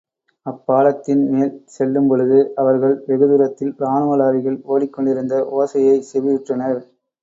அப்பாலத்தின் மேல் செல்லும் பொழுது அவர்கள் வெகுதூரத்தில் ராணுவ லாரிகள் ஓடிக்கொண்டிருந்த ஓசையைச் செவியுற்றனர்.